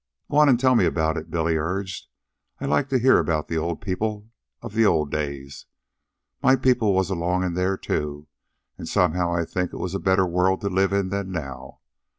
"Go on an' tell me about it," Billy urged. "I like to hear about the old people of the old days. My people was along in there, too, an' somehow I think it was a better world to live in than now.